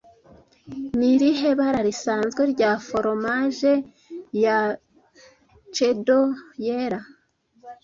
Ni irihe bara risanzwe rya foromaje ya cheddar Yera